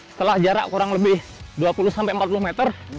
setelah jarak kurang lebih dua puluh sampai empat puluh meter